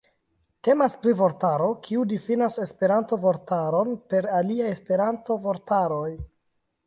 Temas pri vortaro, kiu difinas Esperanto-vorton per aliaj Esperanto-vortoj.